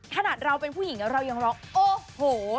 ขนาดเราผู้หญิงนะเรายังร้อง